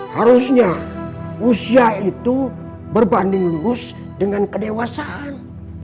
harusnya usia itu berbanding lurus dengan kedewasaan